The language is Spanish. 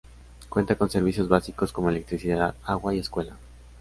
Cuenta con servicios básicos como electricidad, agua y escuela.